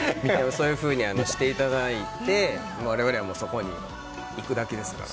そういうふうにしていただいて我々はそこに行くだけですから。